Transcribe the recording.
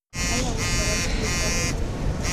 ایا ورسره لوبې کوئ؟